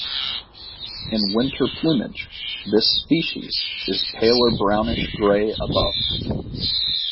In winter plumage, this species is paler brownish gray above.